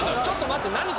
ちょっと待って何？